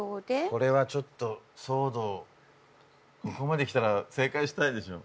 これはちょっとソードここまできたら正解したいでしょ